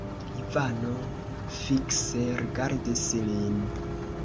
Ivano fikse rigardis lin.